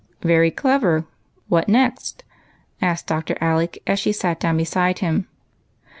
" Very clever ; what next? " asked Dr. Alec as she sat down beside him.